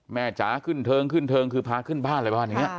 แม่จ๋าขึ้นเทิงคือพาขึ้นบ้านอะไรประมาณนี้